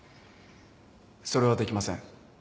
それはできません。